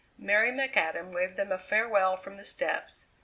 Mary McAdam waved them a farewell from the steps.